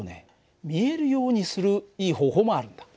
見えるようにするいい方法もあるんだ。